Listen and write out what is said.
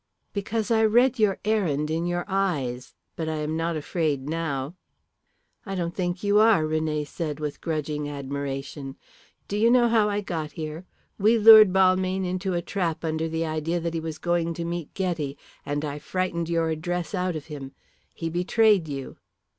"Because I read your errand in your eyes. But I am not afraid now." "I don't think you are," René said, with grudging admiration. "Do you know how I got here? We lured Balmayne into a trap under the idea that he was going to meet Ghetti, and I frightened your address out of him. He betrayed you."